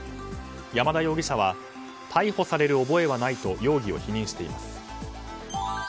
山田容疑者は逮捕される覚えはないと容疑を否認しています。